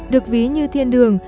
được ví như thiên đường